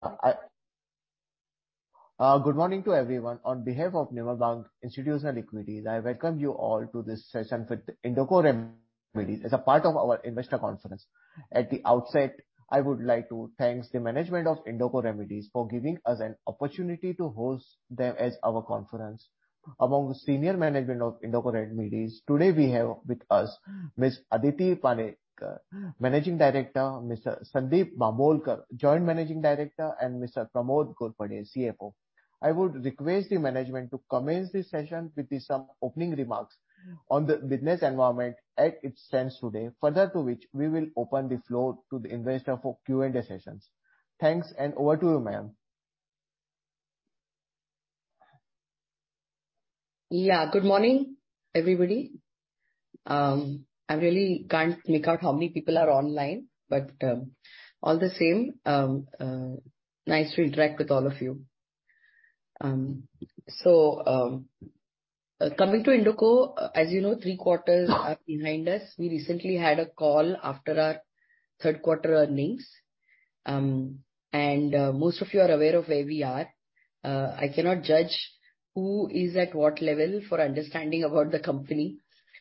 Good morning to everyone. On behalf of Nirmal Bang Institutional Equities, I welcome you all to this session with Indoco Remedies as a part of our investor conference. At the outset, I would like to thank the management of Indoco Remedies for giving us an opportunity to host them at our conference. Among the senior management of Indoco Remedies, today we have with us Miss Aditi Panandikar, Managing Director; Mr. Sundeep Bambolkar, Joint Managing Director; and Mr. Pramod Ghorpade, CFO. I would request the management to commence the session with some opening remarks on the business environment as it stands today. Further to which, we will open the floor to the investor for Q&A sessions. Thanks. Over to you, ma'am. Good morning, everybody. I really can't make out how many people are online, but all the same, nice to interact with all of you. Coming to Indoco, as you know, three quarters are behind us. We recently had a call after our third quarter earnings. Most of you are aware of where we are. I cannot judge who is at what level for understanding about the company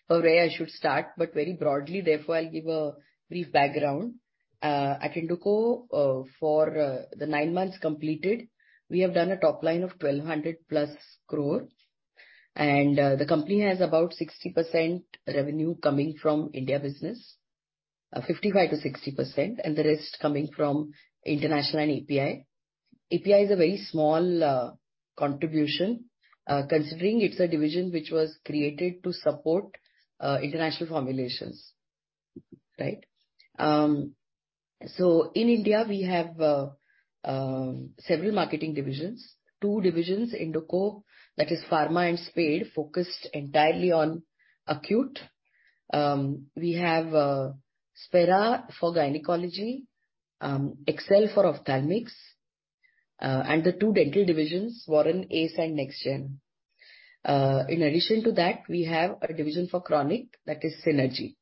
or where I should start, but very broadly, therefore, I'll give a brief background. At Indoco, for the nine months completed, we have done a top line of 1,200+ crore. The company has about 60% revenue coming from India business, 55%-60%, and the rest coming from international and API. API is a very small contribution, considering it's a division which was created to support international formulations. Right? In India, we have several marketing divisions. Two divisions, Indoco, that is pharma and Spade, focused entirely on acute. We have Spera for gynecology, Excel for Ophthalmics, and the two dental divisions, Warren Ace and NxGen. In addition to that, we have a division for Chronic, that is Synergy.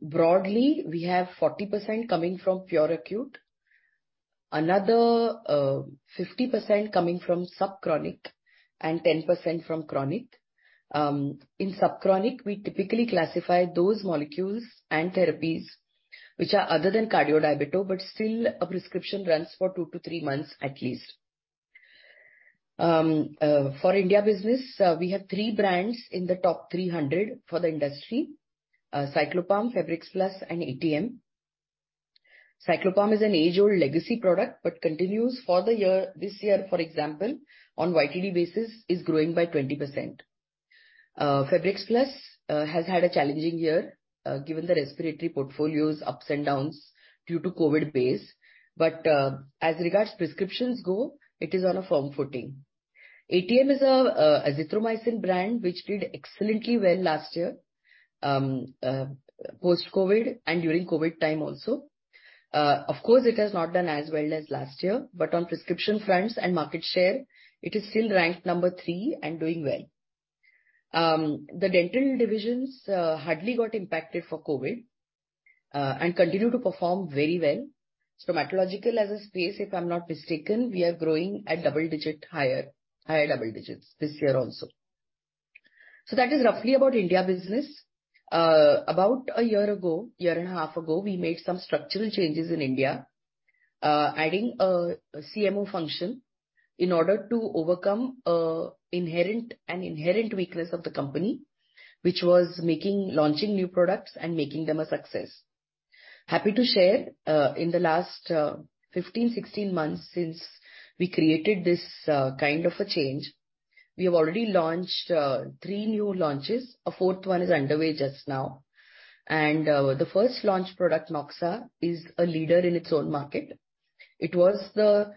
Broadly, we have 40% coming from pure acute, another 50% coming from Sub-chronic, and 10% from Chronic. In Sub-chronic, we typically classify those molecules and therapies which are other than cardio-diabetic, but still a prescription runs for two to three months at least. For India business, we have three brands in the top 300 for the industry, Cyclopam, Febrex Plus, and ATM. Cyclopam is an age-old legacy product, but continues for the year. This year, for example, on YTD basis, is growing by 20%. Febrex Plus has had a challenging year, given the respiratory portfolio's ups and downs due to COVID base. As regards prescriptions go, it is on a firm footing. ATM is an azithromycin brand which did excellently well last year, post-COVID and during COVID time also. Of course, it has not done as well as last year, on prescription fronts and market share, it is still ranked number three and doing well. The dental divisions hardly got impacted for COVID and continue to perform very well. Stomatological as a space, if I'm not mistaken, we are growing at double digit higher double digits this year also. That is roughly about India business. About a year ago, a year and a half ago, we made some structural changes in India, adding a CMO function in order to overcome an inherent weakness of the company, which was launching new products and making them a success. Happy to share, in the last 15, 16 months since we created this kind of a change, we have already launched three new launches. A fourth one is underway just now. The first launch product, Moxa, is a leader in its own market. It was the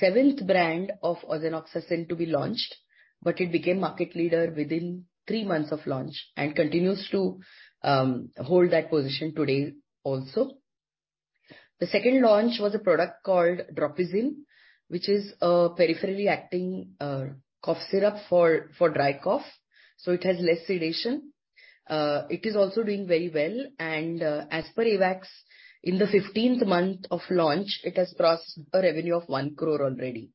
seventh brand of Ozenoxacin to be launched, but it became market leader within three months of launch and continues to hold that position today also. The second launch was a product called Dropizin, which is a peripherally acting cough syrup for dry cough, so it has less sedation. It is also doing very well. As per AWACS, in the 15th month of launch, it has crossed a revenue of 1 crore already.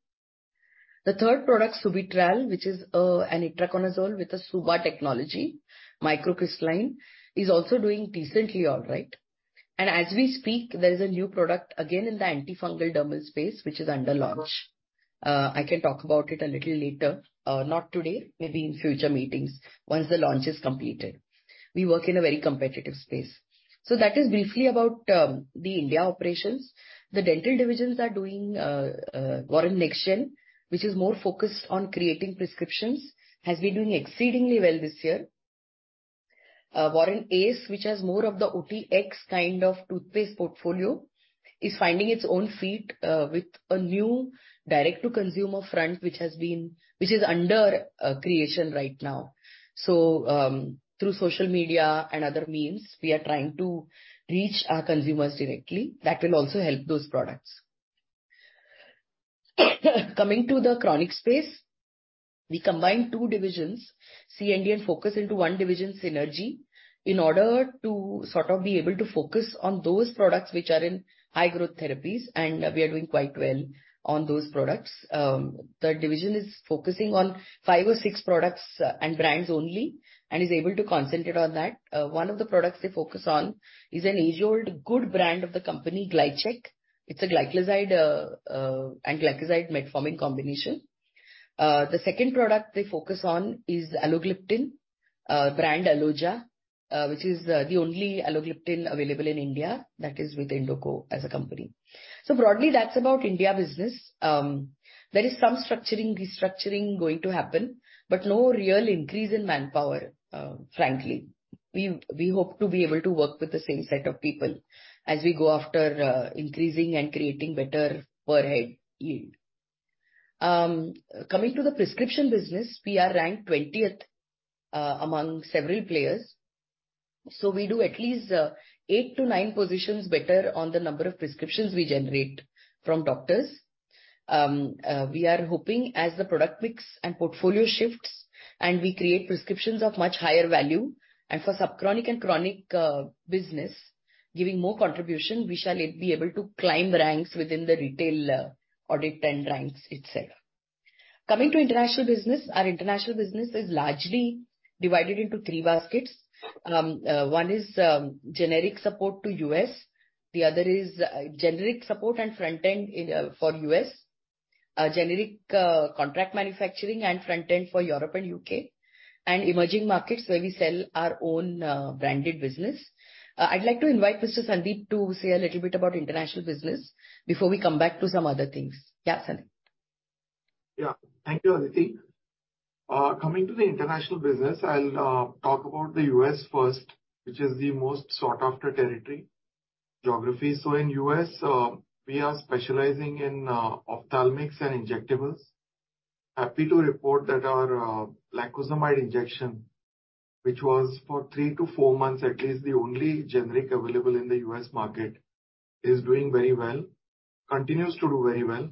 The third product, Subitral, which is an itraconazole with a SUBA technology, microcrystalline, is also doing decently all right. As we speak, there's a new product again in the antifungal dermal space, which is under launch. I can talk about it a little later, not today, maybe in future meetings once the launch is completed. We work in a very competitive space. That is briefly about the India operations. The dental divisions are doing Warren NxGen, which is more focused on creating prescriptions, has been doing exceedingly well this year. Warren Ace, which has more of the OTX kind of toothpaste portfolio, is finding its own feet with a new direct-to-consumer front, which is under creation right now. Through social media and other means, we are trying to reach our consumers directly. That will also help those products. Coming to the Chronic space, we combined two divisions, CND and Focus into one division, Synergy, in order to sort of be able to focus on those products which are in high growth therapies, and we are doing quite well on those products. The division is focusing on five or six products and brands only, and is able to concentrate on that. One of the products they focus on is an age-old good brand of the company, Glychek. It's a gliclazide and gliclazide metformin combination. The second product they focus on is alogliptin, brand Aloja, which is the only alogliptin available in India that is with Indoco as a company. Broadly, that's about India business. There is some structuring, restructuring going to happen, but no real increase in manpower, frankly. We hope to be able to work with the same set of people as we go after increasing and creating better per head yield. Coming to the prescription business, we are ranked 20th among several players. We do at least eight to nine positions better on the number of prescriptions we generate from doctors. We are hoping as the product mix and portfolio shifts, and we create prescriptions of much higher value, and for Sub-chronic and Chronic business giving more contribution, we shall be able to climb the ranks within the retail audit 10 ranks itself. Coming to international business, our international business is largely divided into three baskets. One is generic support to U.S.. The other is generic support and front end in for U.S. Generic contract manufacturing and front end for Europe and U.K. Emerging markets, where we sell our own branded business. I'd like to invite Mr. Sundeep to say a little bit about international business before we come back to some other things. Yeah, Sundeep. Thank you, Aditi. Coming to the international business, I'll talk about the U.S. first, which is the most sought-after territory, geography. In U.S., we are specializing in Ophthalmics and injectables. Happy to report that our lacosamide injection, which was for three to four months at least the only generic available in the US market, is doing very well, continues to do very well.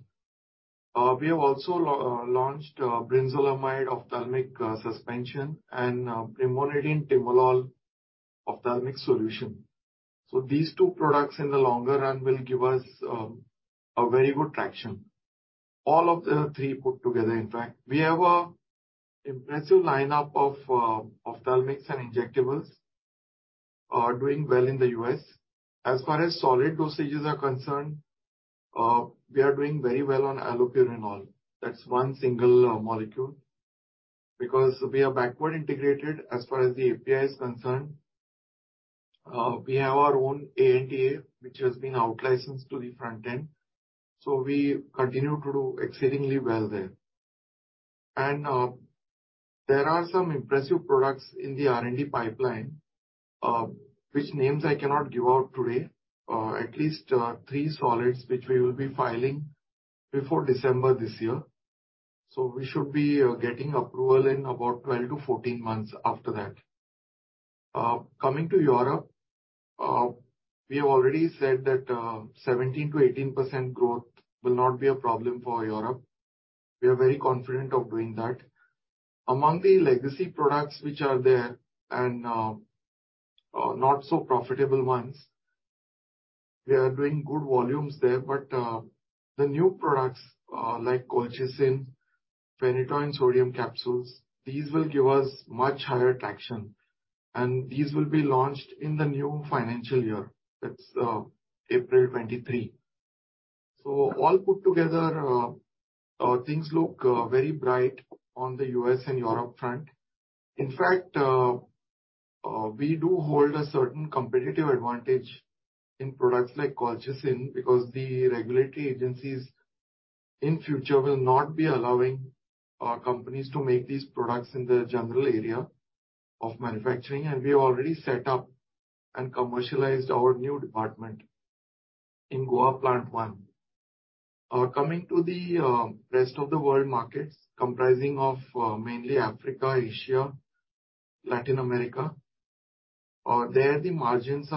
We have also launched Brinzolamide Ophthalmic Suspension and Brimonidine Timolol Ophthalmic Solution. These two products in the longer run will give us a very good traction. All of the three put together, in fact. We have an impressive lineup of Ophthalmics and injectables are doing well in the U.S.. As far as solid dosages are concerned, we are doing very well on Allopurinol. That's one single molecule. We are backward integrated as far as the API is concerned, we have our own ANDA, which has been outlicensed to the front end, we continue to do exceedingly well there. There are some impressive products in the R&D pipeline, which names I cannot give out today. At least, three solids which we will be filing before December this year. We should be getting approval in about 12-14 months after that. Coming to Europe, we have already said that 17%-18% growth will not be a problem for Europe. We are very confident of doing that. Among the legacy products which are there, and not so profitable ones, we are doing good volumes there. The new products, like Colchicine, Phenytoin Sodium capsules, these will give us much higher traction, and these will be launched in the new financial year. That's April 2023. All put together, things look very bright on the U.S. and Europe front. In fact, we do hold a certain competitive advantage in products like Colchicine because the regulatory agencies in future will not be allowing companies to make these products in the general area of manufacturing, and we have already set up and commercialized our new department in Goa Plant 1. Coming to the rest of the world markets comprising of mainly Africa, Asia, Latin America. There the margins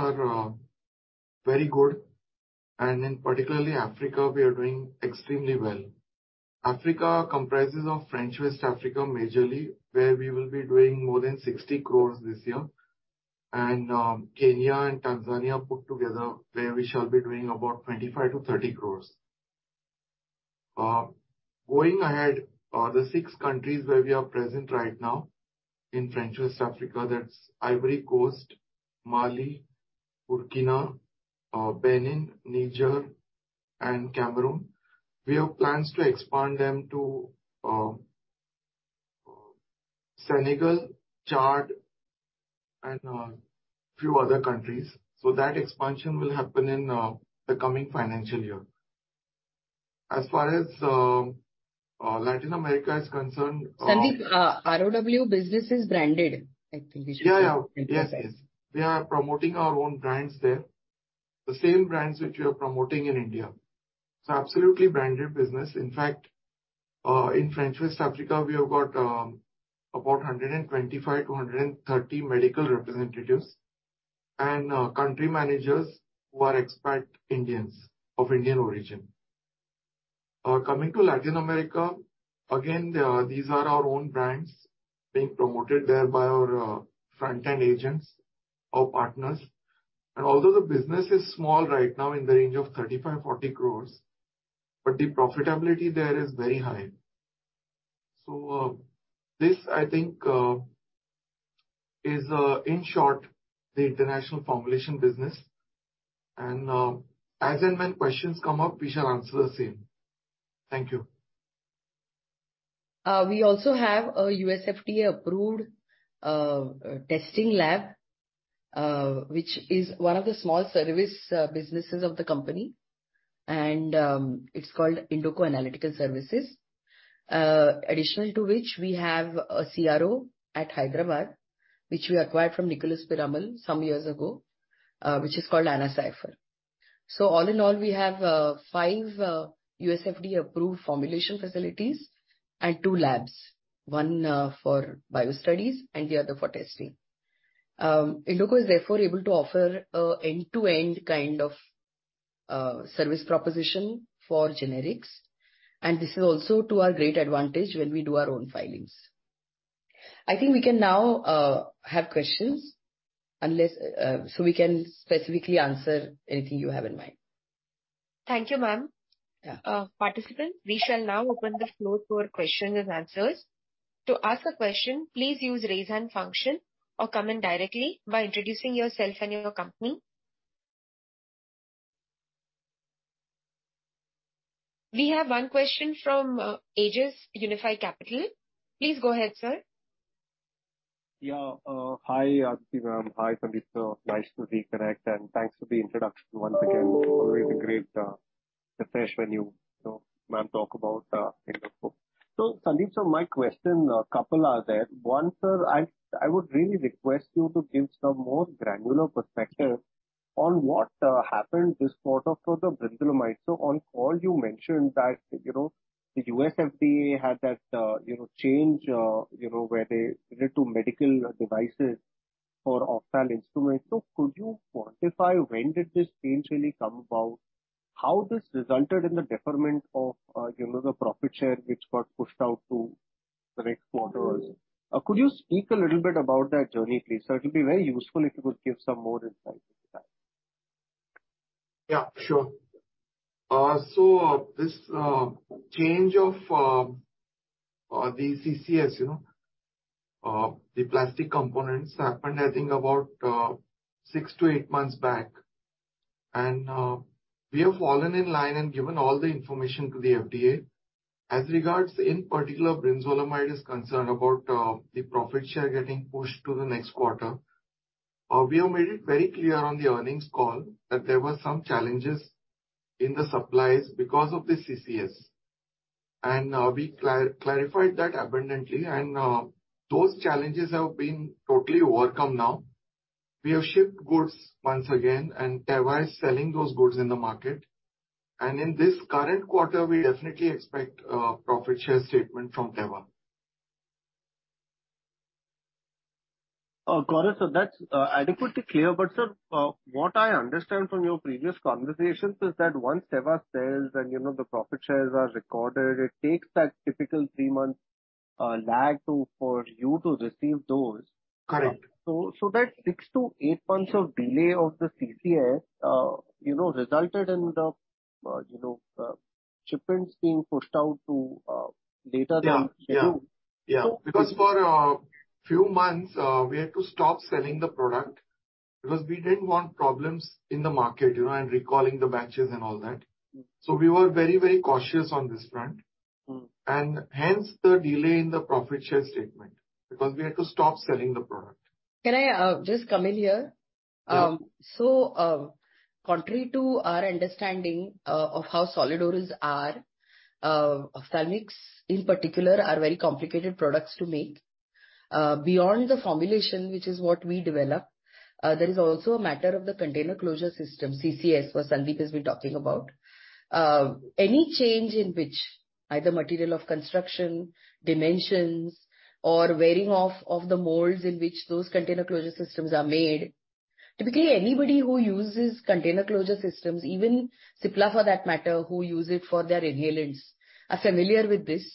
are very good, and in particularly Africa, we are doing extremely well. Africa comprises of French West Africa majorly, where we will be doing more than 60 crores this year. Kenya and Tanzania put together, where we shall be doing about 25-30 crores. Going ahead, the six countries where we are present right now in French West Africa, that's Ivory Coast, Mali, Burkina, Benin, Niger, and Cameroon. We have plans to expand them to Senegal, Chad, and few other countries. That expansion will happen in the coming financial year. As far as Latin America is concerned. Sundeep, ROW business is branded, I think we should mentions that. Yes, yes. We are promoting our own brands there, the same brands which we are promoting in India. It's absolutely branded business. In fact, in French West Africa, we have got about 125-130 medical representatives and country managers who are expat Indians, of Indian origin. Coming to Latin America, again, these are our own brands being promoted there by our front-end agents or partners. Although the business is small right now in the range of 35 crore-40 crore, but the profitability there is very high. This I think is in short, the international formulation business. As and when questions come up, we shall answer the same. Thank you. We also have a USFDA-approved testing lab, which is one of the small service businesses of the company, and it's called Indoco Analytical Solutions. Additional to which we have a CRO at Hyderabad, which we acquired from Nicholas Piramal some years ago, which is called AnaCipher. All in all, we have five USFDA-approved formulation facilities and two labs, one for biostudies and the other for testing. Indoco is therefore able to offer a end-to-end kind of service proposition for generics, and this is also to our great advantage when we do our own filings. I think we can now have questions unless, so we can specifically answer anything you have in mind. Thank you, ma'am. Yeah. Participants, we shall now open the floor for questions-and-answers. To ask a question, please use Raise Hand function or come in directly by introducing yourself and your company. We have one question from Ajay, Unifi Capital. Please go ahead, sir. Hi, Aditi ma'am. Hi, Sundeep sir. Nice to be connect, and thanks for the introduction once again. Always a great refresh when you know, ma'am talk about Indoco. Sundeep sir, my question, couple are there. One, sir, I would really request you to give some more granular perspective on what happened this quarter for the Brinzolamide. On call you mentioned that, you know, the USFDA had that, you know, change, you know, where they relate to medical devices for Ophthal instruments. Could you quantify when did this change really come about, how this resulted in the deferment of, you know, the profit share which got pushed out to the next quarter? Could you speak a little bit about that journey please sir? It'll be very useful if you could give some more insight into that. Yeah, sure. This change of the CCS, you know, the plastic components happened I think about 6-8 months back. We have fallen in line and given all the information to the FDA. As regards in particular brinzolamide is concerned about the profit share getting pushed to the next quarter, we have made it very clear on the earnings call that there were some challenges in the supplies because of the CCS. We clarified that abundantly and those challenges have been totally overcome now. We have shipped goods once again and Teva is selling those goods in the market. In this current quarter we definitely expect profit share statement from Teva. Got it, sir. That's adequately clear. What I understand from your previous conversations is that once Teva sells and, you know, the profit shares are recorded, it takes that typical three-month lag to, for you to receive those. Correct. That 6-8 months of delay of the CCS, you know, resulted in the, you know, shipments being pushed out to later than due. Yeah. Yeah. Yeah. So- For few months, we had to stop selling the product because we didn't want problems in the market, you know, and recalling the batches and all that. We were very, very cautious on this front. Mm. Hence the delay in the profit share statement, because we had to stop selling the product. Can I just come in here? Yeah. Contrary to our understanding of how solid orals are, Ophthalmics in particular are very complicated products to make. Beyond the formulation, which is what we develop, there is also a matter of the container closure system, CCS, what Sundeep has been talking about. Any change in which either material of construction, dimensions, or wearing off of the molds in which those container closure systems are made. Typically, anybody who uses container closure systems, even Cipla for that matter, who use it for their inhalants, are familiar with this.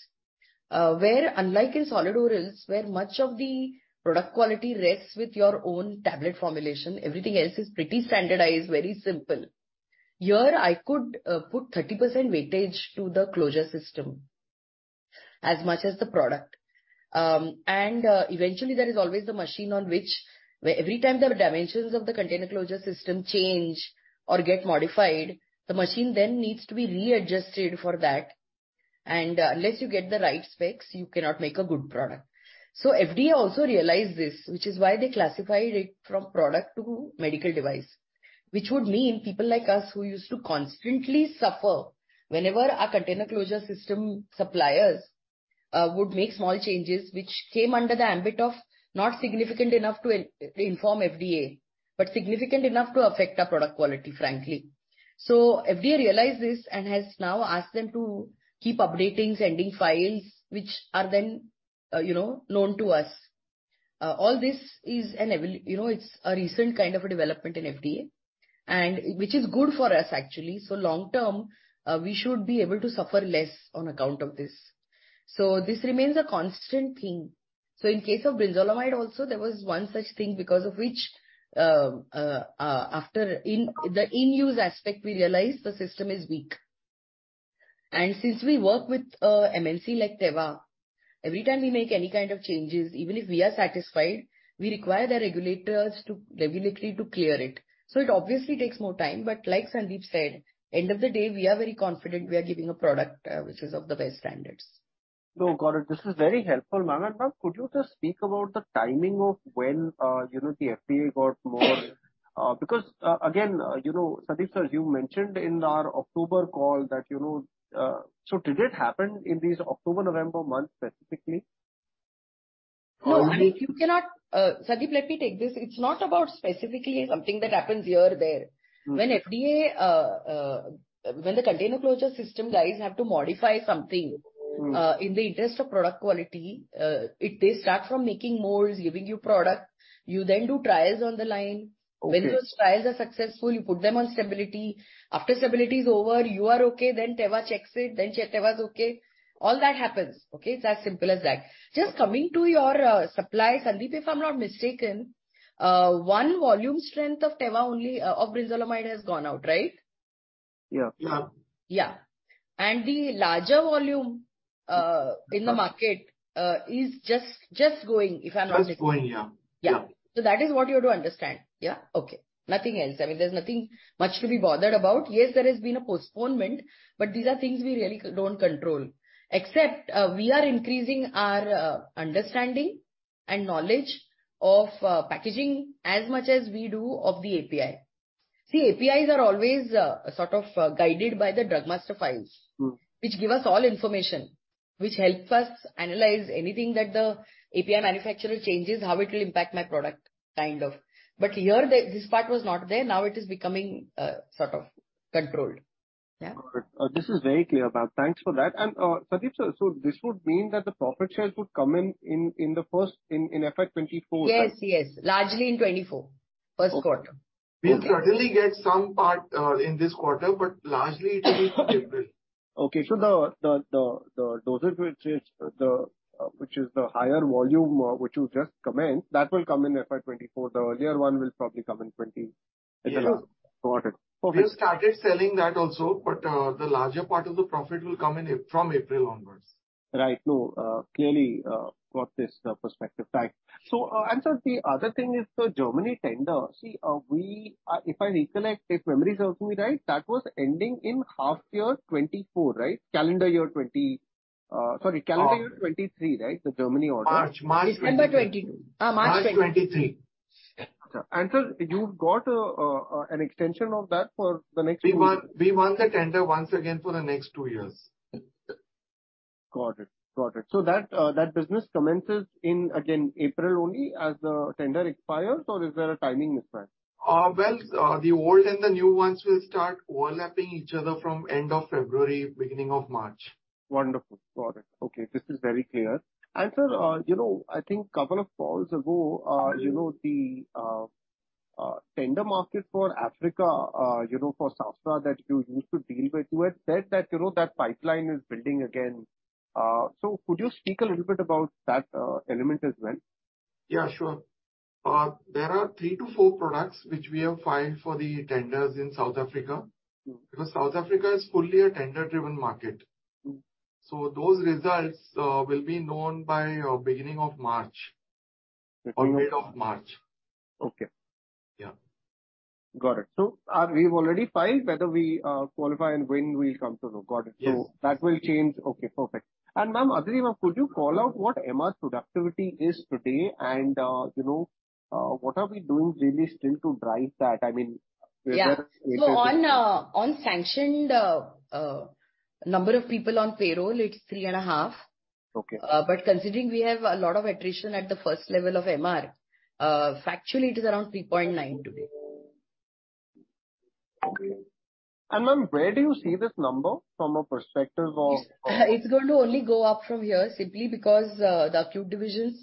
Where unlike in solid orals, where much of the product quality rests with your own tablet formulation, everything else is pretty standardized, very simple. Here I could put 30% weightage to the closure system as much as the product. Eventually there is always the machine on which where every time the dimensions of the container closure system change or get modified, the machine then needs to be readjusted for that. Unless you get the right specs, you cannot make a good product. FDA also realized this, which is why they classified it from product to medical device. Which would mean people like us who used to constantly suffer whenever our container closure system suppliers would make small changes which came under the ambit of not significant enough to inform FDA, but significant enough to affect our product quality, frankly. FDA realized this and has now asked them to keep updating, sending files which are then, you know, known to us. All this is, you know, it's a recent kind of a development in FDA and which is good for us actually. Long term, we should be able to suffer less on account of this. This remains a constant thing. In case of brinzolamide also, there was one such thing because of which, after the in-use aspect, we realized the system is weak. Since we work with MNC like Teva, every time we make any kind of changes, even if we are satisfied, we require the regulators to regulatory to clear it. It obviously takes more time. Like Sundeep said, end of the day we are very confident we are giving a product which is of the best standards. No, got it. This is very helpful, Ma'am. Ma'am, could you just speak about the timing of when, you know, the FDA got more because, again, you know, Sundeep, sir, you mentioned in our October call that, you know, did it happen in these October, November months specifically? No, I mean, you cannot... Sundeep, let me take this. It's not about specifically something that happens here or there. Mm-hmm. When FDA, when the container closure system guys have to modify something. Mm-hmm. In the interest of product quality, they start from making molds, giving you product. You then do trials on the line. Okay. When those trials are successful, you put them on stability. After stability is over, you are okay, then Teva checks it, then Teva's okay. All that happens, okay? It's as simple as that. Just coming to your supply, Sundeep, if I'm not mistaken, one volume strength of Teva only, of Brinzolamide has gone out, right? Yeah. Yeah. Yeah. The larger volume, in the market, is just going, if I'm not mistaken. Just going, yeah. Yeah. That is what you have to understand. Yeah? Okay. Nothing else. I mean, there's nothing much to be bothered about. Yes, there has been a postponement, but these are things we really don't control. Except, we are increasing our understanding and knowledge of packaging as much as we do of the API. APIs are always sort of guided by the Drug Master Files. Mm-hmm. Which give us all information, which helps us analyze anything that the API manufacturer changes, how it will impact my product, kind of. Here, this part was not there. Now it is becoming, sort of controlled. Yeah. Got it. This is very clear, ma'am. Thanks for that. Sundeep, sir, this would mean that the profit shares would come in FY 2024. Yes, yes. Largely in 2024. Okay. First quarter. Okay. We'll certainly get some part in this quarter, but largely it will be April. Okay. The dosage which is the higher volume, which you just comment, that will come in FY 2024. The earlier one will probably come in. Yeah. in the last quarter. Okay. We started selling that also, but the larger part of the profit will come from April onwards. Right. No, clearly, got this perspective. Right. Sir, the other thing is the Germany tender. We, if I recollect, if memory serves me right, that was ending in half year 2024, right? Calendar year 2020, sorry, calendar year 2023 right, the Germany order? March. March 20- It ends by 2022. March 2023. March 2023. Sir, you've got an extension of that for the next two years. We won the tender once again for the next two years. Got it. Got it. That business commences in, again, April only as the tender expires, or is there a timing mismatch? Well, the old and the new ones will start overlapping each other from end of February, beginning of March. Wonderful. Got it. Okay, this is very clear. Sir, you know, I think couple of calls ago, you know, the tender market for Africa, you know, for South Africa that you used to deal with, you had said that, you know, that pipeline is building again. Could you speak a little bit about that element as well? Sure. There are 3-4 products which we have filed for the tenders in South Africa. Mm-hmm. South Africa is fully a tender-driven market. Mm-hmm. Those results will be known by beginning of March. Okay. Mid of March. Okay. Yeah. Got it. We've already filed whether we qualify and win, we'll come to know. Got it. Yes. That will change. Okay, perfect. Ma'am, Aditi ma'am, could you call out what MR's productivity is today and, you know, what are we doing really still to drive that? I mean, whether it is- Yeah. On sanctioned number of people on payroll, it's three and a half. Okay. Considering we have a lot of attrition at the first level of MR, factually it is around 3.9 today. Okay. ma'am, where do you see this number from a perspective of... It's going to only go up from here simply because the acute divisions,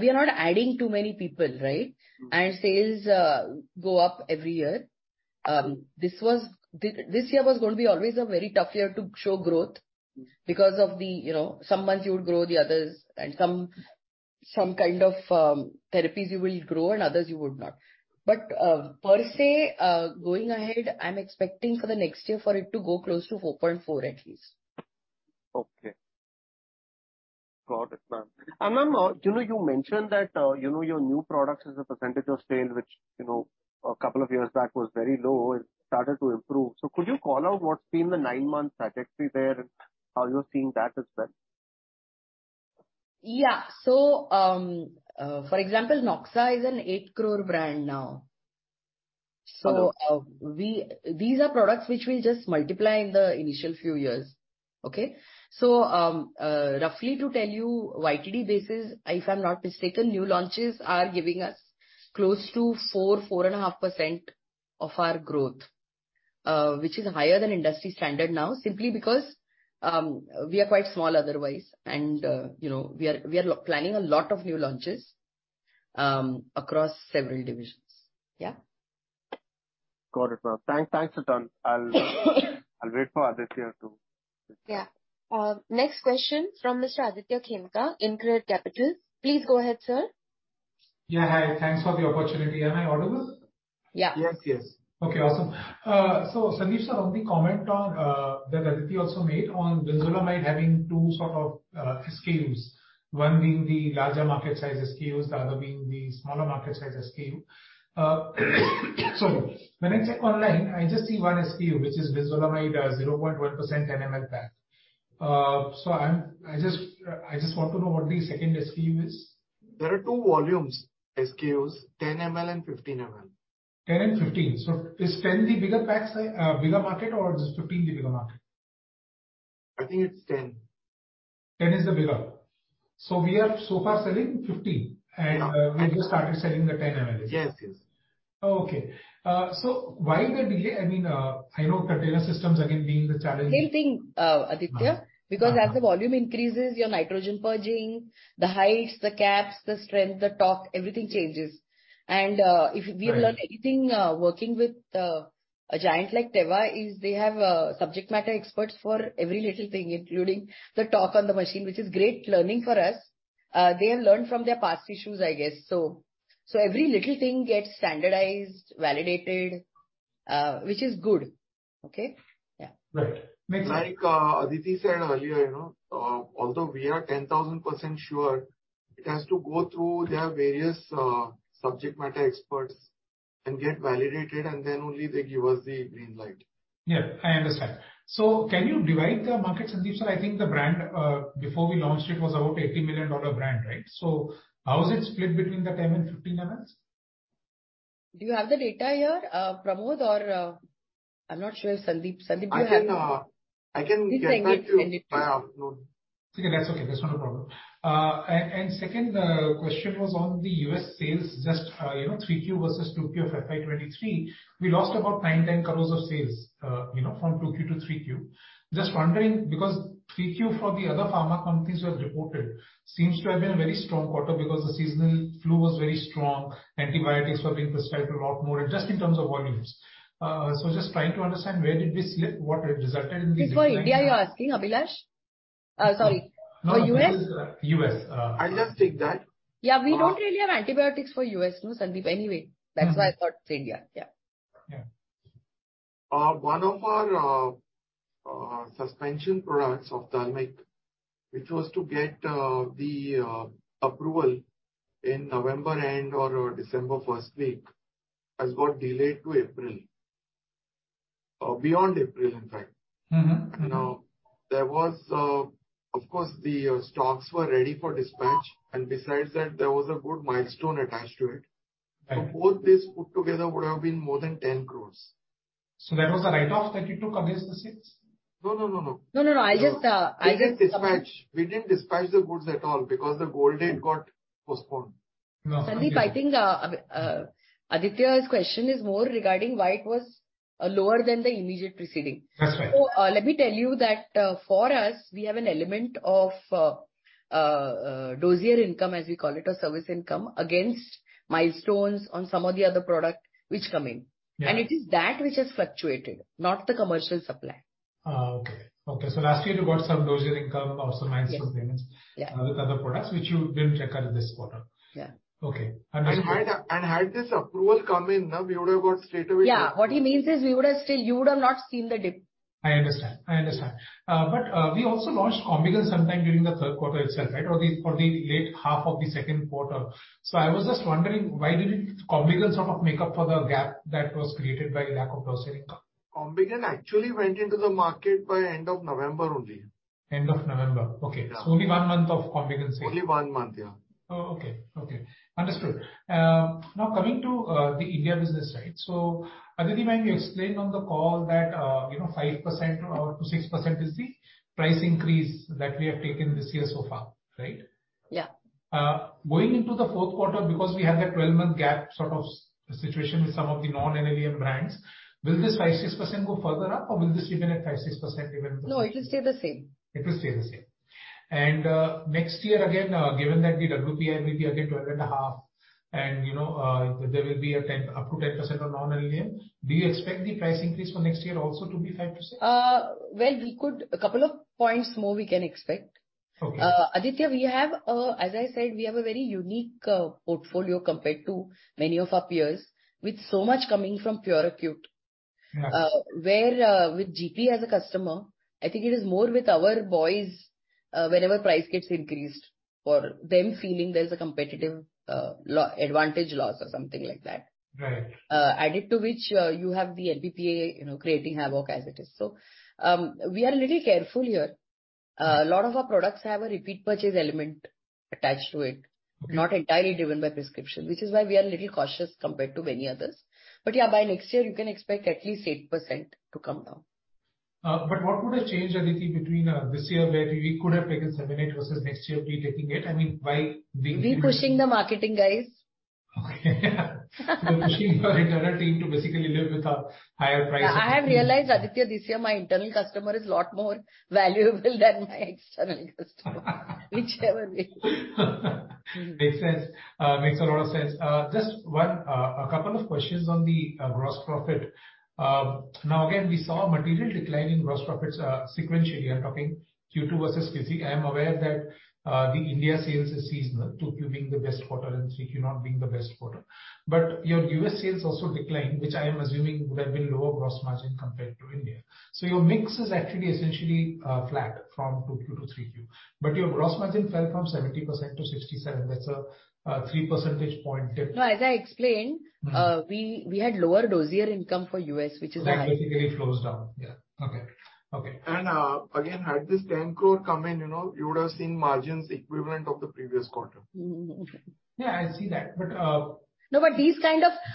we are not adding too many people, right? Mm-hmm. Sales go up every year. This year was going to be always a very tough year to show growth because of the, you know, some months you would grow the others and some kind of therapies you will grow and others you would not. Per se, going ahead, I'm expecting for the next year for it to go close to 4.4 at least. Okay. Got it, ma'am. Ma'am, you know, you mentioned that, you know, your new products as a percentage of sale, which, you know, a couple of years back was very low. It started to improve. Could you call out what's been the nine-month trajectory there and how you're seeing that as well? Yeah. For example, Noxa is an 8 crore brand now. Okay. These are products which will just multiply in the initial few years. Okay. Roughly to tell you YTD basis, if I'm not mistaken, new launches are giving us close to 4.5% of our growth, which is higher than industry standard now simply because we are quite small otherwise. You know, we are planning a lot of new launches across several divisions. Got it, ma'am. Thanks a ton. I'll wait for Aditya to. Next question from Mr. Aditya Khemka, InCred Capital. Please go ahead, sir. Yeah, hi. Thanks for the opportunity. Am I audible? Yeah. Yes, yes. Okay, awesome. Sundeep, sir, on the comment on that Aditi also made on Brinzolamide having two sort of SKUs, one being the larger market size SKUs, the other being the smaller market size SKU. Sorry. When I check online, I just see one SKU, which is Brinzolamide, 0.1% ML pack. I'm, I just want to know what the second SKU is. There are two volumes, SKUs, 10 ml and 15 ml. 10ml and 15 ml. Is 10 ml the bigger pack, bigger market, or is 15 mL the bigger market? I think it's 10 ml. 10ml is the bigger. We are so far selling 15 ml. Yeah. We just started selling the 10 ml. Yes, yes. Oh, okay. Why the delay? I mean, I know container systems again being the challenge. Same thing, Aditya. Uh-huh. Because as the volume increases, your nitrogen purging, the heights, the caps, the strength, the torque, everything changes. Right. have learned anything, working with, a giant like Teva is they have, subject matter experts for every little thing, including the torque on the machine, which is great learning for us. They have learned from their past issues, I guess. Every little thing gets standardized, validated, which is good. Okay? Yeah. Right. Makes sense. Like, Aditi said earlier, you know, although we are 10,000% sure, it has to go through their various subject matter experts and get validated, and then only they give us the green light. Yeah, I understand. Can you divide the market, Sundeep sir? I think the brand, before we launched it was about $80 million brand, right? How is it split between the 10 and 15 ml? Do you have the data here, Pramod? Sundeep, do you have it? I can get back to you by afternoon. It's okay. That's okay. That's not a problem. Second, question was on the U.S. sales just, you know, 3Q versus 2Q of FY 2023, we lost about 9-10 crores of sales, you know, from 2Q to 3Q. Just wondering because 3Q for the other pharma companies who have reported seems to have been a very strong quarter because the seasonal flu was very strong, antibiotics were being prescribed a lot more just in terms of volumes. Just trying to understand where did we slip, what resulted in the decline? This is for India, you're asking, Abhilash? Sorry. For U.S.? No, this is, U.S. I'll just take that. Yeah. We don't really have antibiotics for U.S., no, Sundeep, anyway. Mm-hmm. That's why I thought it's India. Yeah. Yeah. One of our suspension products of Dalacin, which was to get the approval in November end or December first week, has got delayed to April. Beyond April, in fact. Mm-hmm. Mm-hmm. Now, there was, of course, the, stocks were ready for dispatch. Besides that, there was a good milestone attached to it. Right. Both this put together would have been more than 10 crores. That was a write-off that you took against the sales? No, no, no. No, no. I just. We didn't dispatch. We didn't dispatch the goods at all because the go date got postponed. No. Sundeep, I think, Aditya's question is more regarding why it was lower than the immediate preceding. That's right. Let me tell you that, for us, we have an element of dosier income, as we call it, or service income against milestones on some of the other product which come in. Yeah. It is that which has fluctuated, not the commercial supply. Okay. Okay. Last year you got some dossier income or some milestone payments? Yeah. -from the other products which you didn't recognize this quarter. Yeah. Okay. Understood. Had this approval come in, we would have got straightaway the- Yeah. What he means is you would have not seen the dip. I understand. I understand. We also launched Combigan sometime during the third quarter itself, right? The late half of the second quarter. I was just wondering why didn't Combigan sort of make up for the gap that was created by lack of dossier income? Combigan actually went into the market by end of November only. End of November. Okay. Yeah. Only one month of Combigan sales. Only one month. Yeah. Oh, okay. Okay. Understood. now coming to, the India business, right? Aditi, when you explained on the call that, you know, 5% or to 6% is the price increase that we have taken this year so far, right? Yeah. Going into the fourth quarter because we have that 12-month gap sort of situation with some of the non-NLM brands, will this 5%, 6% go further up or will this remain at 5%, 6% even for next. No, it will stay the same. It will stay the same. Next year again, given that the WPI may be again 12.5% and, you know, there will be a 10%, up to 10% on non-NLM, do you expect the price increase for next year also to be 5%? Well, a couple of points more we can expect. Okay. Aditya, we have, as I said, we have a very unique portfolio compared to many of our peers with so much coming from pure acute. Right. Where, with GP as a customer, I think it is more with our boys, whenever price gets increased or them feeling there's a competitive advantage loss or something like that. Right. Added to which, you have the NPPA, you know, creating havoc as it is. We are little careful here. A lot of our products have a repeat purchase element attached to it. Okay. Not entirely driven by prescription, which is why we are a little cautious compared to many others. Yeah, by next year, you can expect at least 8% to come down. What would have changed, Aditi, between this year where we could have taken seven, eight, versus next year we're taking eight? I mean, why... We pushing the marketing guys. You're pushing your internal team to basically live with a higher price- I have realized, Aditya, this year my internal customer is a lot more valuable than my external customer. Whichever way. Makes sense. Makes a lot of sense. Just one, a couple of questions on the gross profit. Now, again, we saw a material decline in gross profits, sequentially. I'm talking Q2 versus Q3. I am aware that the India sales is seasonal, 2Q being the best quarter and 3Q not being the best quarter. Your US sales also declined, which I am assuming would have been lower gross margin compared to India. Your mix is actually essentially flat from 2Q to 3Q. Your gross margin fell from 70% to 67%. That's a 3 percentage point dip. No, as I explained- Mm-hmm. we had lower dossier income for U.S., which is why. That basically flows down. Yeah. Okay. Okay. Again, had this 10 crore come in, you know, you would have seen margins equivalent of the previous quarter. Mm-hmm. Yeah, I see that.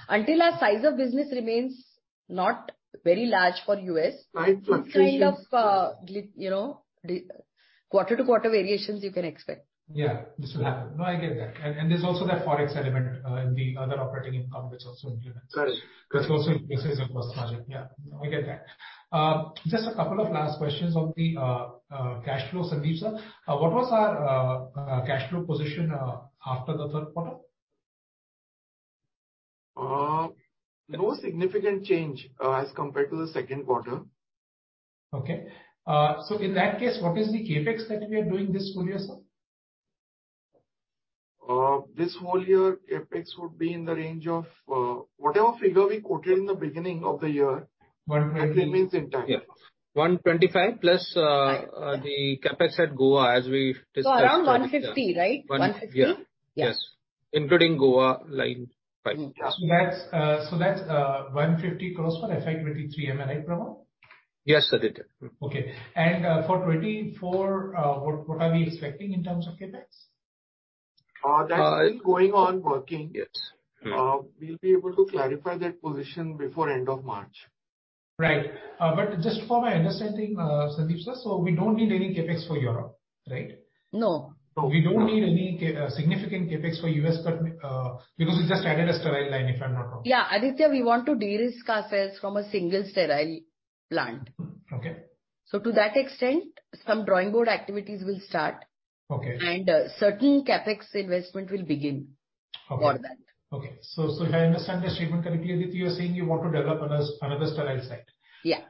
Until our size of business remains not very large for U.S.-. My question is. This kind of, you know, quarter-to-quarter variations you can expect. Yeah, this will happen. No, I get that. There's also that Forex element in the other operating income which also implements. Right. That's also- This also increases your cost margin. Yeah. No, I get that. Just a couple of last questions on the cash flows, Sundeep Sir. What was our cash flow position after the third quarter? No significant change, as compared to the second quarter. Okay. In that case, what is the CapEx that we are doing this full year, sir? This whole year CapEx would be in the range of whatever figure we quoted in the beginning of the year... 100 and- It remains intact. Yeah. 125 plus, the CapEx at Goa as we discussed. Around 150, right? 150? Yeah. Yeah. Yes. Including Goa Line pipe. Mm-hmm. That's 150 crores for FY 2023 M&A, Prabal? Yes, Aditya. Okay. For 2024, what are we expecting in terms of CapEx? That's still going on working. Yes. Mm-hmm. We'll be able to clarify that position before end of March. Right. just for my understanding, Sundeep sir, we don't need any CapEx for Europe, right? No. No. We don't need any significant CapEx for U.S., but because we just added a sterile line, if I'm not wrong. Yeah. Aditya, we want to de-risk our sales from a single sterile plant. Mm-hmm. Okay. To that extent, some drawing board activities will start. Okay. Certain CapEx investment will begin. Okay for that. If I understand the statement correctly, Aditi, you are saying you want to develop another sterile site? Yeah.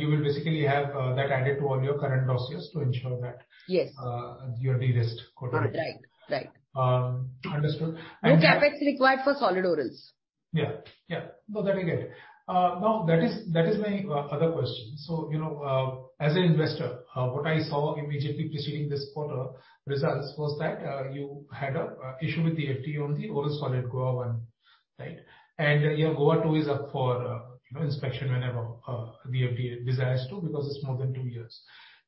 You will basically have that added to all your current dossiers to ensure. Yes. You are de-risked, quote-unquote? Right. Right. understood. No CapEx required for solid orals. Yeah. Yeah. No, that I get it. Now that is my other question. You know, as an investor, what I saw immediately preceding this quarter results was that you had a issue with the FDA on the oral solid Goa 1, right? Your Goa 2 is up for, you know, inspection whenever the FDA desires to, because it's more than two years.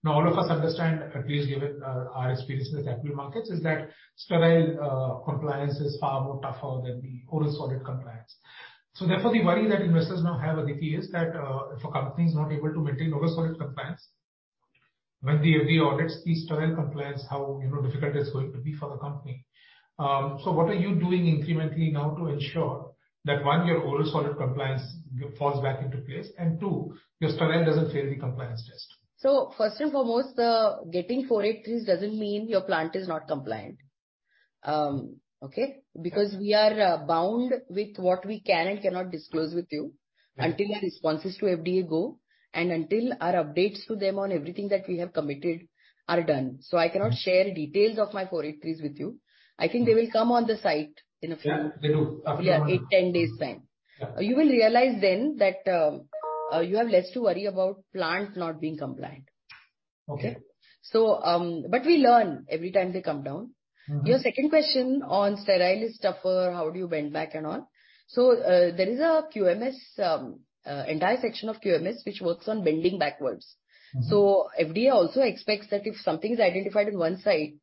All of us understand, at least given our experience with equity markets, is that sterile compliance is far more tougher than the oral solid compliance. The worry that investors now have, Aditi, is that if a company is not able to maintain oral solid compliance, when the FDA audits the sterile compliance, how, you know, difficult it's going to be for the company. What are you doing incrementally now to ensure that, one, your oral solid compliance falls back into place, and two, your sterile doesn't fail the compliance test? First and foremost, getting Form 483s doesn't mean your plant is not compliant. Okay? Because we are bound with what we can and cannot disclose with you. Right ...until our responses to FDA go and until our updates to them on everything that we have committed are done. I cannot share details of my Form 483s with you. I think they will come on the site. Yeah, they do. Yeah, 8-10 days' time. Yeah. You will realize then that, you have less to worry about plant not being compliant. Okay. Okay. We learn every time they come down. Mm-hmm. Your second question on sterile is tougher, how do you bend back and all. There is a QMS, entire section of QMS which works on bending backwards. Mm-hmm. FDA also expects that if something is identified on one site,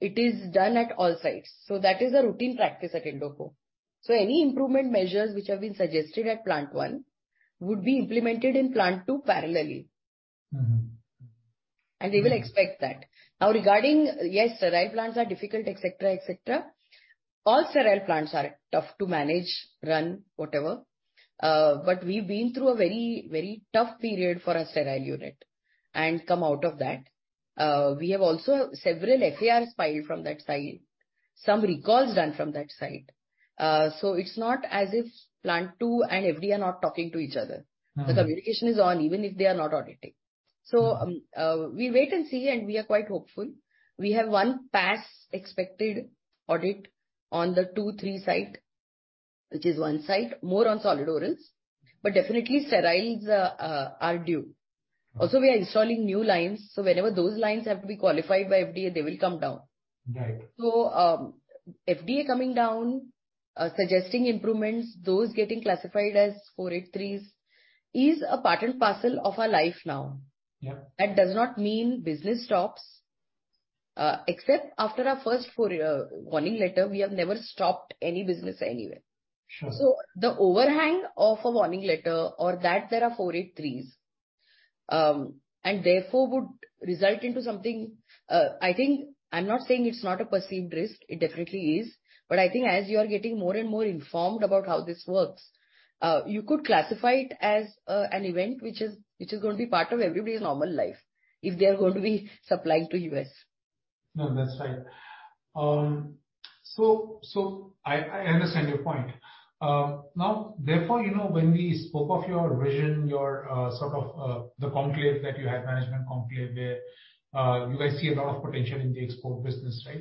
it is done at all sites. That is a routine practice at Indoco. Any improvement measures which have been suggested at plant one would be implemented in plant two parallelly. Mm-hmm. They will expect that. Now, regarding, yes, sterile plants are difficult, et cetera, et cetera. All sterile plants are tough to manage, run, whatever. We've been through a very, very tough period for our sterile unit and come out of that. We have also several FARs filed from that site, some recalls done from that site. It's not as if plant two and FDA are not talking to each other. Mm-hmm. The communication is on even if they are not auditing. Mm-hmm. We wait and see, and we are quite hopeful. We have one pass expected audit on the two, three site, which is one site, more on solid orals. Definitely steriles are due. Okay. We are installing new lines, so whenever those lines have to be qualified by FDA, they will come down. Right. FDA coming down, suggesting improvements, those getting classified as 483s is a part and parcel of our life now. Yeah. That does not mean business stops. Except after our first four-year warning letter, we have never stopped any business anywhere. Sure. The overhang of a warning letter or that there are Form 483s, and therefore would result into something, I think I'm not saying it's not a perceived risk, it definitely is. I think as you are getting more and more informed about how this works, you could classify it as an event which is going to be part of everybody's normal life if they are going to be supplying to US. No, that's right. I understand your point. Therefore, you know, when we spoke of your vision, your sort of the conclave that you had, management conclave, where you guys see a lot of potential in the export business, right?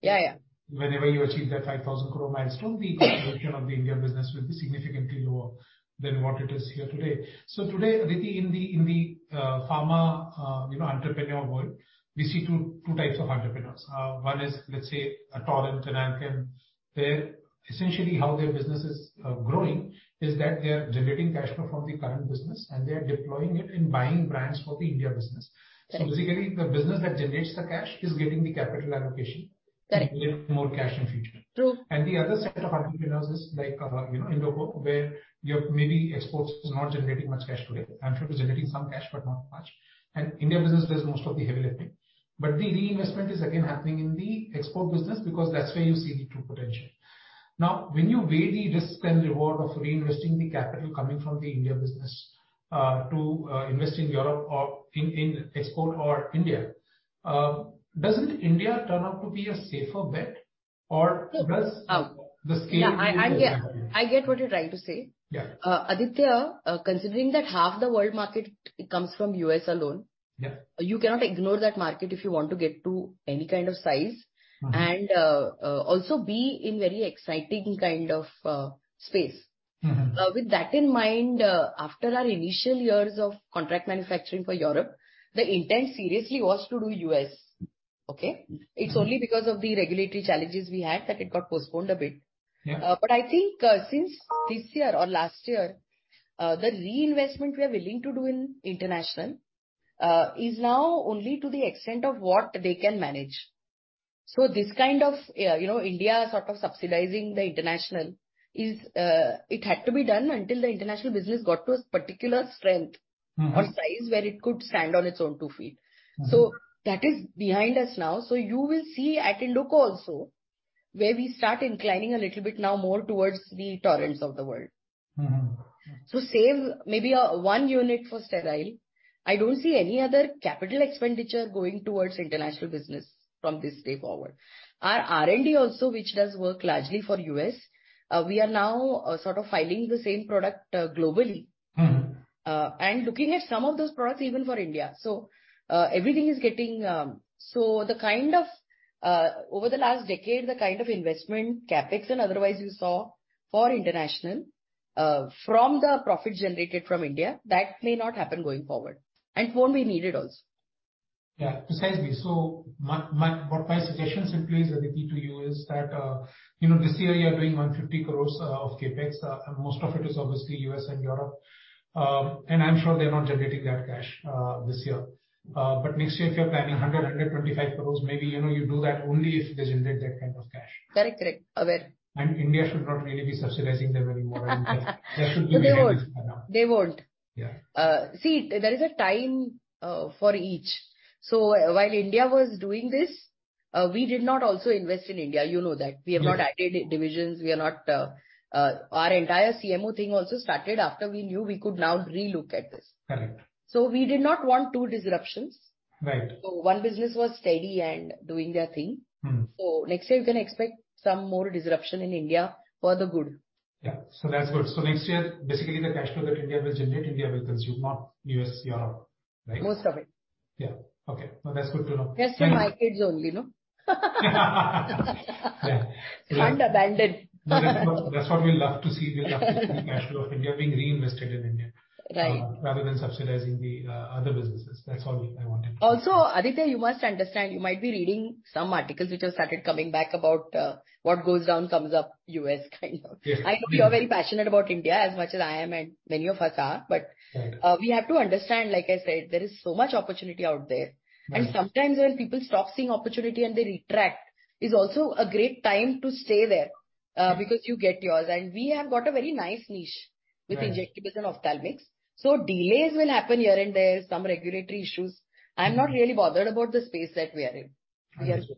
Yeah, yeah. Whenever you achieve that 5,000 crore milestone, the contribution of the India business will be significantly lower than what it is here today. Today, Aditi, in the pharma, you know, entrepreneur world, we see two types of entrepreneurs. One is, let's say, a Torrent, Nandan. Essentially how their business is growing is that they are generating cash flow from the current business and they are deploying it in buying brands for the India business. Right. Basically the business that generates the cash is getting the capital allocation. Right. To get more cash in future. True. The other set of entrepreneurs is like, you know, Indoco, where you have maybe exports is not generating much cash today. I'm sure they're generating some cash, but not much. India business does most of the heavy lifting. The reinvestment is again happening in the export business because that's where you see the true potential. When you weigh the risk and reward of reinvesting the capital coming from the India business, to invest in Europe or in export or India, doesn't India turn out to be a safer bet or? No. Does the scale? Yeah. I get what you're trying to say. Yeah. Aditya, considering that half the world market comes from U.S. alone. Yeah. You cannot ignore that market if you want to get to any kind of size. Mm-hmm. Also be in very exciting kind of space. Mm-hmm. With that in mind, after our initial years of contract manufacturing for Europe, the intent seriously was to do U.S. Okay? Mm-hmm. It's only because of the regulatory challenges we had that it got postponed a bit. Yeah. I think, since this year or last year, the reinvestment we are willing to do in international is now only to the extent of what they can manage. This kind of, you know, India sort of subsidizing the international is, it had to be done until the international business got to a particular strength. Mm-hmm. Size where it could stand on its own two feet. Mm-hmm. That is behind us now. You will see at Indoco also where we start inclining a little bit now more towards the Torrents of the world. Mm-hmm. Save maybe, one unit for sterile. I don't see any other capital expenditure going towards international business from this day forward. Our R&D also, which does work largely for U.S., we are now sort of filing the same product globally. Mm-hmm. Looking at some of those products even for India. Everything is getting. The kind of, over the last decade, the kind of investment, CapEx and otherwise you saw for international, from the profit generated from India, that may not happen going forward. It won't be needed also. Yeah. Precisely. My suggestion simply is, Aditi, to you is that, you know, this year you're doing 150 crores of CapEx. Most of it is obviously U.S. and Europe. I'm sure they're not generating that cash this year. Next year if you're planning 100-125 crores, maybe, you know, you do that only if they generate that kind of cash. Correct, correct. Agreed. India should not really be subsidizing them anymore. They won't. They won't. Yeah. See, there is a time for each. While India was doing this, we did not also invest in India, you know that. Yeah. We have not added divisions. We are not, our entire CMO thing also started after we knew we could now relook at this. Correct. We did not want two disruptions. Right. One business was steady and doing their thing. Mm-hmm. Next year you can expect some more disruption in India for the good. Yeah. That's good. Next year basically the cash flow that India will generate, India will consume, not U.S., Europe. Right? Most of it. Yeah. Okay. No, that's good to know. That's for my kids only, no? Yeah. Can't abandon. That's what we love to see, the cash flow of India being reinvested in India. Right. Rather than subsidizing the other businesses. That's all I wanted. Aditya, you must understand, you might be reading some articles which have started coming back about what goes down comes up U.S. kind of. Yeah. I know you are very passionate about India as much as I am and many of us are. Right. We have to understand, like I said, there is so much opportunity out there. Right. Sometimes when people stop seeing opportunity and they retract is also a great time to stay there, because you get yours. We have got a very nice niche- Right. With injectables and Ophthalmics. Delays will happen here and there, some regulatory issues. I'm not really bothered about the space that we are in. I see. We are good.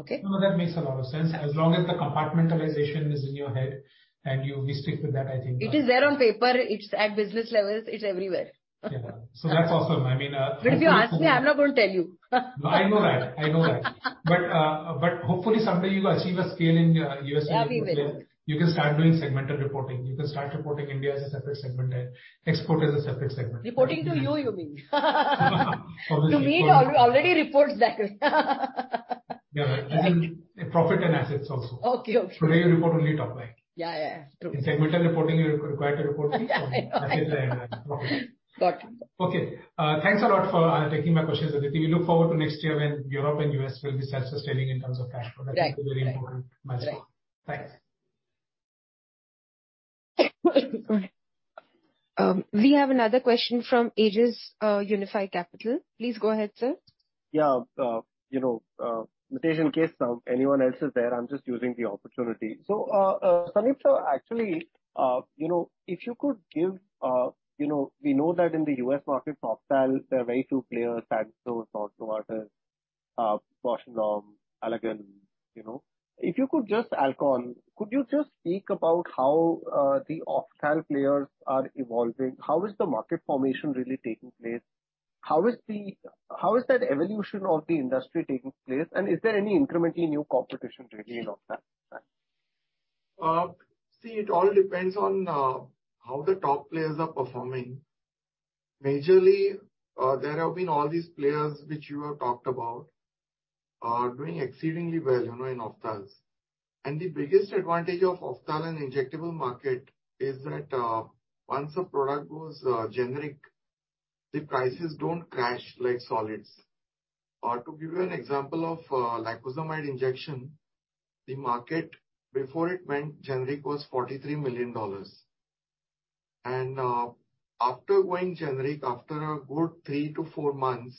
Okay? No, that makes a lot of sense. As long as the compartmentalization is in your head and you, we stick with that, I think. It is there on paper. It's at business levels. It's everywhere. Yeah. That's awesome. I mean. If you ask me, I'm not going to tell you. No, I know that. I know that. Hopefully someday you'll achieve a scale in U.S. and Europe. Yeah, we will. You can start doing segmental reporting. You can start reporting India as a separate segment and export as a separate segment. Reporting to you mean. For the record. To me it already reports that way. Yeah. Right. Right. Profit and assets also. Okay. Okay. Today you report only top line. Yeah, yeah. True. In segmental reporting, you're required to report- I know. Assets and profit. Got you. Okay. Thanks a lot for taking my questions, Aditi. We look forward to next year when Europe and U.S. will be self-sustaining in terms of cash flow. Right. Right. That's a very important milestone. Right. Thanks. We have another question from Aejas, Unifi Capital. Please go ahead, sir. Yeah. You know, Mitesh, in case anyone else is there, I'm just using the opportunity. Sundeep, sir, actually, you know, if you could give, you know, we know that in the U.S. market, Ophthal, there are very few players, Samsung, Novartis, Bausch Health, Allergan, you know, Alcon. Could you just speak about how the Ophthal players are evolving? How is the market formation really taking place? How is the evolution of the industry taking place, and is there any incrementally new competition really in Ophthal? See, it all depends on how the top players are performing. Majorly, there have been all these players which you have talked about are doing exceedingly well, you know, in Ophthals. The biggest advantage of Ophthal and injectable market is that once a product goes generic, the prices don't crash like solids. To give you an example of lacosamide injection, the market before it went generic was $43 million. After going generic, after a good 3-4 months,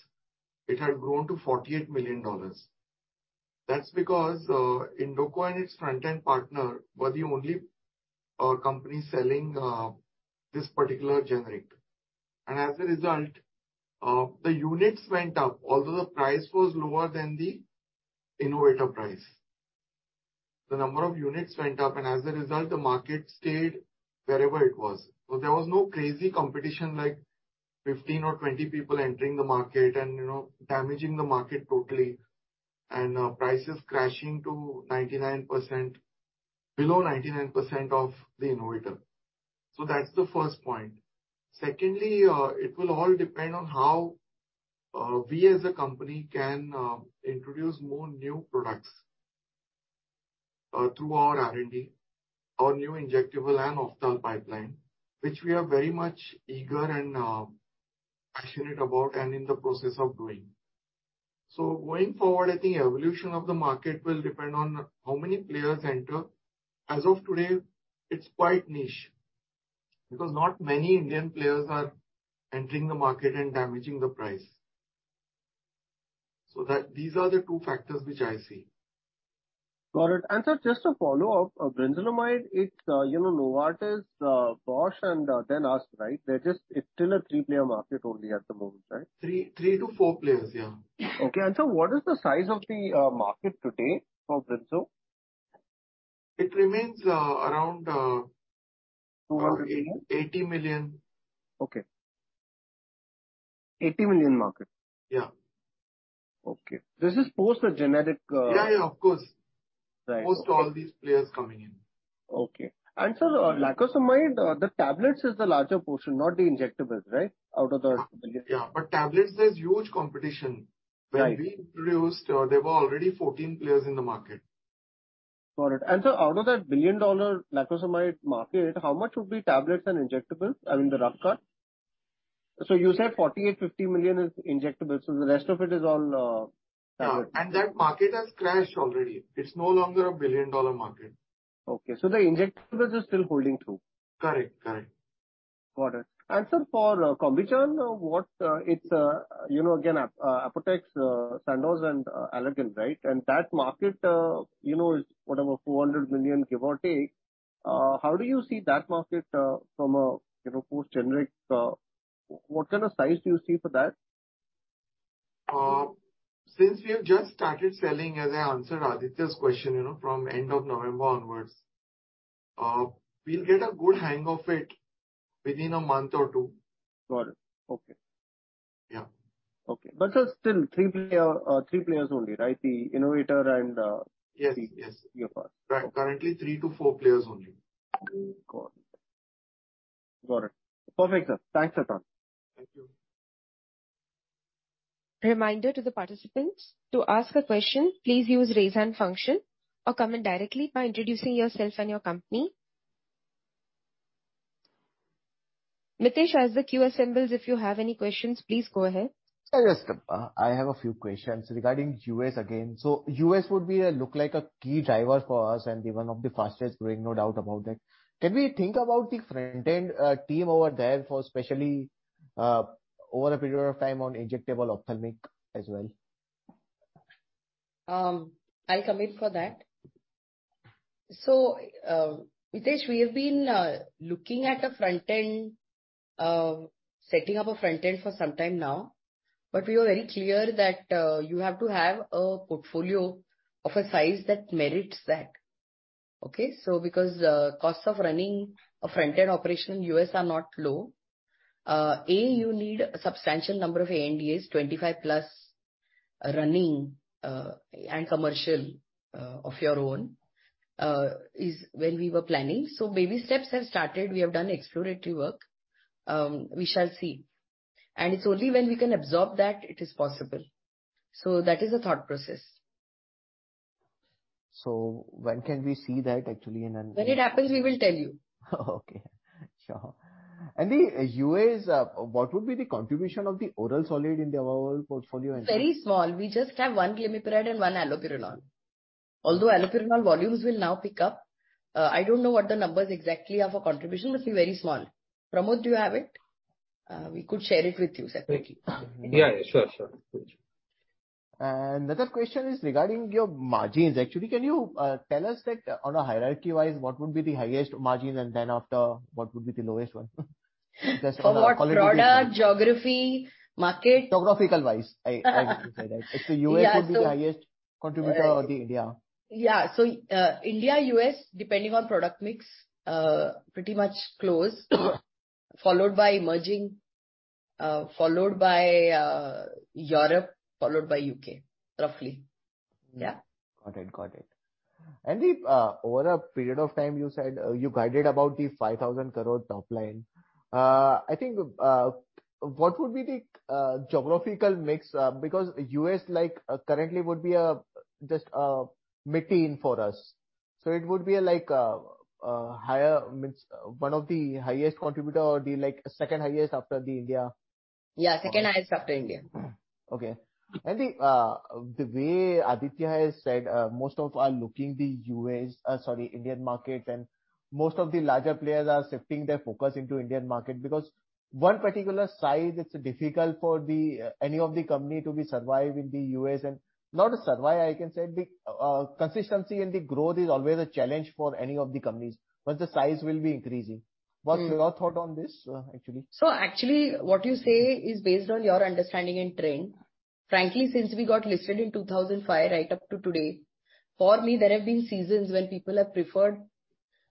it had grown to $48 million. That's because Indoco and its front-end partner were the only company selling this particular generic. As a result, the units went up, although the price was lower than the innovator price. The number of units went up, and as a result, the market stayed wherever it was. There was no crazy competition like 15 or 20 people entering the market and, you know, damaging the market totally and prices crashing to 99%, below 99% of the innovator. That's the first point. Secondly, it will all depend on how we as a company can introduce more new products through our R&D, our new injectable and Ophthal pipeline, which we are very much eager and passionate about and in the process of doing. Going forward, I think evolution of the market will depend on how many players enter. As of today, it's quite niche because not many Indian players are entering the market and damaging the price. That, these are the two factors which I see. Got it. Sir, just a follow-up. Brinzolamide, it's, you know, Novartis, Bausch Health and then us, right? They're just, it's still a three-player market only at the moment, right? 3-4 players, yeah. Okay. Sir, what is the size of the market today for Brinzolamide? It remains around. INR 400 million? 80 million. Okay. 80 million market? Yeah. Okay. This is post the generic. Yeah, yeah, of course. Right. Okay. Post all these players coming in. Okay. sir, lacosamide, the tablets is the larger portion, not the injectables, right? Out of the INR 1 billion. Yeah, tablets, there's huge competition. Right. When we introduced, there were already 14 players in the market. Got it. Sir, out of that billion-dollar lacosamide market, how much would be tablets and injectables? I mean, the rough cut. You said $48 million-$50 million is injectables, the rest of it is all tablets. Yeah, that market has crashed already. It's no longer a billion-dollar market. Okay. The injectables are still holding through? Correct, correct. Got it. Sir, for Combigan, what it's, you know, again, Apotex, Sandoz and Allergan, right? That market, you know, is whatever, $400 million give or take. How do you see that market, from a, you know, post-generic, what kind of size do you see for that? Since we have just started selling, as I answered Aditya's question, you know, from end of November onwards, we'll get a good hang of it within a month or two. Got it. Okay. Yeah. Okay. Sir, still three players only, right? The innovator and... Yes, yes. Your partner. Currently three to four players only. Got it. Got it. Perfect, sir. Thanks a ton. Thank you. Reminder to the participants, to ask a question, please use Raise Hand function or comment directly by introducing yourself and your company. Mitesh, as the queue assembles, if you have any questions, please go ahead. Yes, I have a few questions regarding U.S. again. U.S. would look like a key driver for us and be one of the fastest growing, no doubt about that. Can we think about the front end team over there for especially over a period of time on injectable Ophthalmic as well? I'll commit for that. Mitesh, we have been looking at a front end, setting up a front end for some time now, but we are very clear that you have to have a portfolio of a size that merits that. Okay? Because costs of running a front end operation in U.S. are not low. A, you need a substantial number of ANDAs, 25+ running, and commercial of your own is when we were planning. Baby steps have started. We have done exploratory work. We shall see. It's only when we can absorb that it is possible. That is the thought process. When can we see that actually? When it happens, we will tell you. Okay. Sure. The US, what would be the contribution of the oral solid in the overall portfolio and-? Very small. We just have one glimepiride and one allopurinol. Allopurinol volumes will now pick up. I don't know what the numbers exactly of a contribution, must be very small. Pramod, do you have it? We could share it with you separately. Thank you. Yeah, sure. Sure. Another question is regarding your margins. Actually, can you tell us that on a hierarchy-wise, what would be the highest margin, and then after, what would be the lowest one? For what? Product, geography, market? Topographical-wise. I would say that. If the U.S. would be the highest contributor or the India. Yeah. India, U.S., depending on product mix, pretty much close. Followed by emerging, followed by Europe, followed by UK, roughly. Yeah. Got it. Got it. The Over a period of time, you said, you guided about the 5,000 crore top line. I think, what would be the geographical mix? Because U.S., like, currently would be just mid-teen for us. It would be like a higher means one of the highest contributor or the, like, second highest after the India. Yeah. Second highest after India. Okay. The way Aditya has said, most of are looking the U.S., sorry, Indian market, and most of the larger players are shifting their focus into Indian market because one particular size, it's difficult for the any of the company to be survive in the U.S. and not survive, I can say the consistency and the growth is always a challenge for any of the companies once the size will be increasing. What's your thought on this actually? Actually what you say is based on your understanding and trend. Frankly, since we got listed in 2005 right up to today, for me, there have been seasons when people have preferred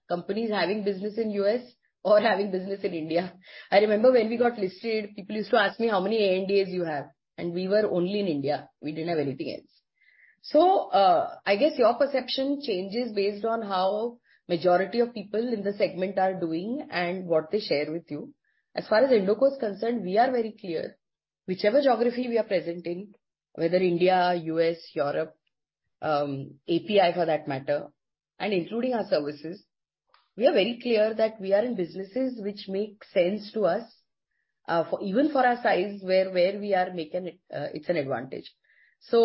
companies having business in U.S. or having business in India. I remember when we got listed, people used to ask me how many ANDAs you have, and we were only in India. We didn't have anything else. I guess your perception changes based on how majority of people in the segment are doing and what they share with you. As far as Indoco is concerned, we are very clear. Whichever geography we are present in, whether India, U.S., Europe, API for that matter, and including our services, we are very clear that we are in businesses which make sense to us, for, even for our size, where we are making it's an advantage. We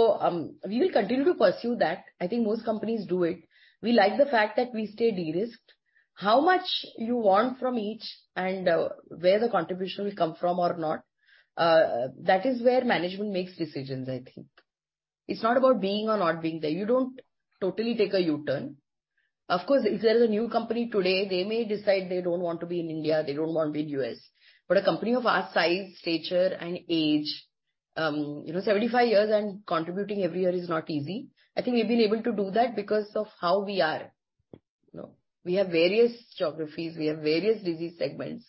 will continue to pursue that. I think most companies do it. We like the fact that we stay de-risked. How much you want from each and, where the contribution will come from or not, that is where management makes decisions, I think. It's not about being or not being there. You don't totally take a U-turn. Of course, if there is a new company today, they may decide they don't want to be in India, they don't want to be in U.S. A company of our size, stature, and age, you know, 75 years and contributing every year is not easy. I think we've been able to do that because of how we are. You know, we have various geographies, we have various disease segments.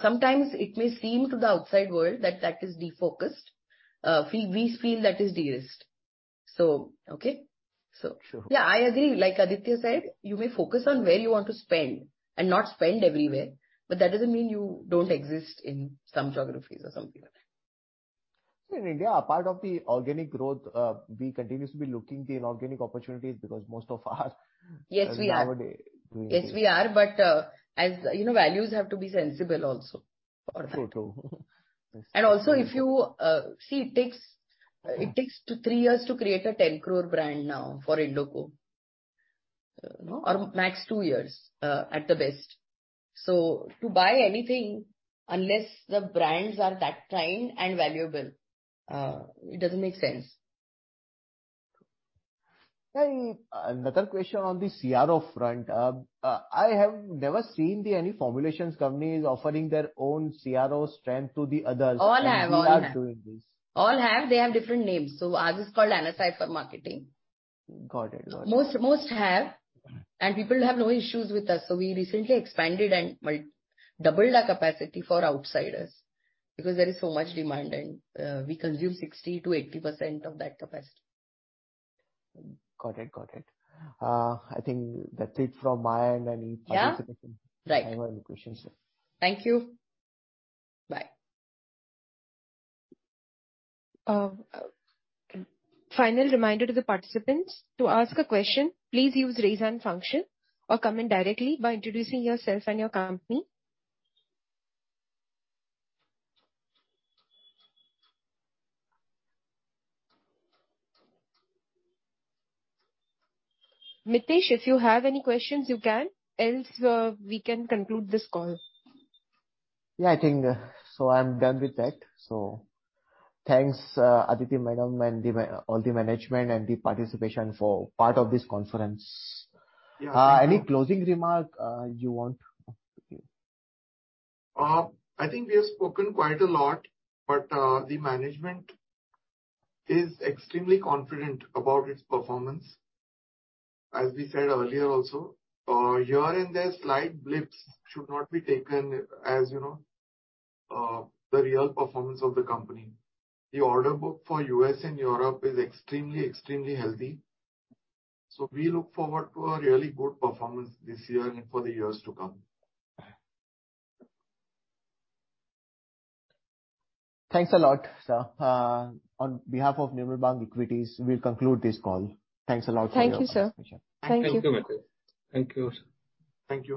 Sometimes it may seem to the outside world that that is defocused. We feel that is de-risked. Okay. Sure. Yeah, I agree. Like Aditya said, you may focus on where you want to spend and not spend everywhere, but that doesn't mean you don't exist in some geographies or something like that. In India, part of the organic growth, we continuously looking the inorganic opportunities because most of us are nowadays doing this. Yes, we are. Yes, we are. As you know, values have to be sensible also for that. True, true. Also, if you See, it takes two, three years to create an 10 crore brand now for Indoco. You know, or max two years at the best. To buy anything, unless the brands are that kind and valuable, it doesn't make sense. Another question on the CRO front. I have never seen any formulations companies offering their own CRO strength to the others. All have. You are doing this. All have. They have different names. Ours is called AnaCipher Marketing. Got it. Got it. Most have, and people have no issues with us. We recently expanded and doubled our capacity for outsiders because there is so much demand and we consume 60% to 80% of that capacity. Got it. Got it. I think that's it from my end, any participation? Yeah. Right. I have any questions. Thank you. Bye. Final reminder to the participants. To ask a question, please use Raise Hand function or come in directly by introducing yourself and your company. Mitesh, if you have any questions, you can. Else, we can conclude this call. Yeah, I think, so I'm done with that. Thanks, Aditi madam, and all the management and the participation for part of this conference. Any closing remark you want? I think we have spoken quite a lot, but the management is extremely confident about its performance. As we said earlier also, here and there slight blips should not be taken, as you know, the real performance of the company. The order book for US and Europe is extremely healthy. We look forward to a really good performance this year and for the years to come. Thanks a lot, sir. On behalf of Nirmal Bang Equities, we'll conclude this call. Thanks a lot for your participation. Thank you, sir. Thank you. Thank you, Mitesh. Thank you. Thank you.